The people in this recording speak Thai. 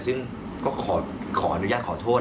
ซึ่งก็ขออนุญาตขอโทษ